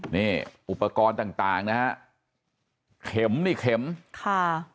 นี่อุปกรณ์ต่างนะครับเข็มนี่เข็มค่ะ